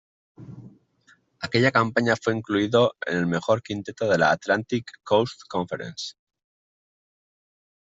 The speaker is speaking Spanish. Aquella campaña fue incluido en el Mejor Quinteto de la Atlantic Coast Conference.